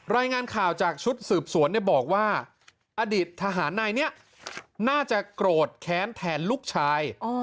รายงานข่าวจากชุดสืบสวนบอกว่าอดีตทหารนายนี้น่าจะโกรธแค้นแทนลูกชาย